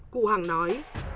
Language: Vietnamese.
cụ hằng nói